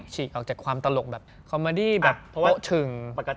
ฉีกออกจากความตลกแบบคอมมิดี้แบบโปะถึง